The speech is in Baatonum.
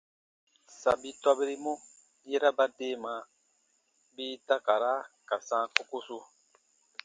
Sabi tɔbirimɔ, yera ba deema bii takara ka sãa kokosu.